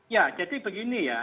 ya jadi begini ya